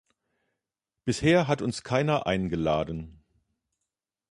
Bisher hat uns keiner eingeladen.